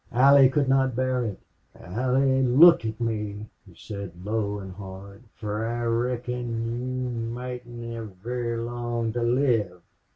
Allie could not bear it. "Allie, look at me," he said, low and hard. "For I reckon you mayn't hev very long to live!"